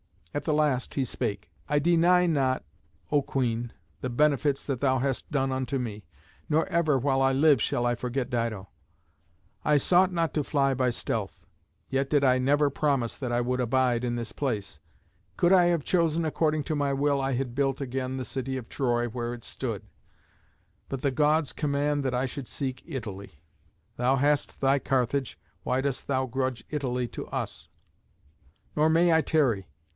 At the last he spake: "I deny not, O Queen, the benefits that thou hast done unto me, nor ever, while I live, shall I forget Dido. I sought not to fly by stealth; yet did I never promise that I would abide in this place. Could I have chosen according to my will I had built again the city of Troy where it stood; but the Gods command that I should seek Italy. Thou hast thy Carthage: why dost thou grudge Italy to us? Nor may I tarry.